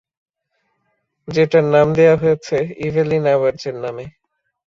যেটার নাম দেয়া হয়েছে ইভেলিন এডওয়ার্ডস এর নামে।